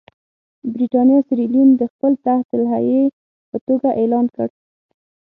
برېټانیا سیریلیون د خپل تحت الحیې په توګه اعلان کړ.